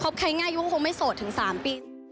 กุ๊บกิ๊บขอสงวนท่าที่ให้เวลาเป็นเครื่องท่าที่สุดไปก่อน